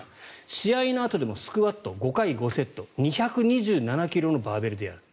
試合のあとでもスクワットを５回５セット２２７ｋｇのバーベルでやる。